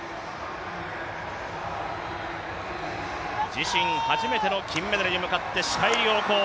自身初めての金メダルに向かって視界良好。